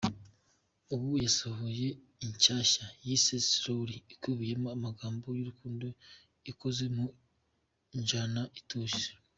Ubu yasohoye inshyashya yise ‘Slowly’ ikubiyemo amagambo y’urukundo ikoze mu njyana ituje.